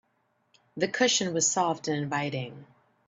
The cushion was soft and inviting.